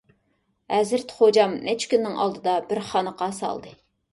ھەزرىتى خوجام نەچچە كۈننىڭ ئىچىدە بىر خانىقا سالدى.